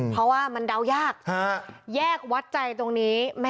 เพราะว่ามันเดายากแยกวัดใจตรงนี้